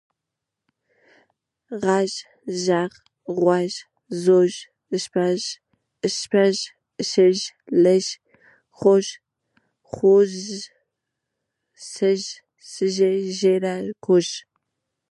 غږ، ږغ، غوَږ، ځوږ، شپږ، شږ، لږ، خوږ، خُوږ، سږ، سږی، ږېره، کوږ،